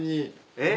えっ？